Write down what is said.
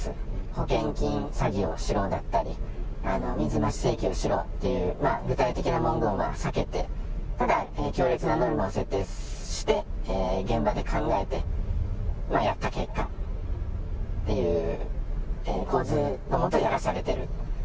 保険金詐欺をしろだったり、水増し請求しろっていう、具体的な文言は避けて、ただ、強烈なノルマを設定して、現場で考えてやった結果っていう構図のもとやらされてる。